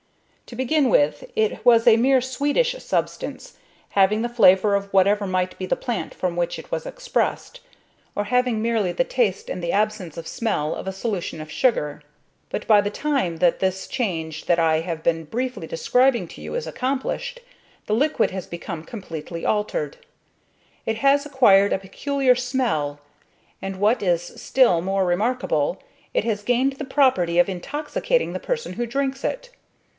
To begin with it was a mere sweetish substance, having the flavour of whatever might be the plant from which it was expressed, or having merely the taste and the absence of smell of a solution of sugar; but by the time that this change that I have been briefly describing to you is accomplished the liquid has become completely altered, it has acquired a peculiar smell, and, what is still more remarkable, it has gained the property of intoxicating the person who drinks it.